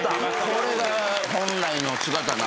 これが本来の姿なんだ。